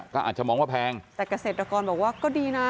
ก็อาจจะมองว่าแพงแต่เกษตรกรบอกว่าก็ดีนะ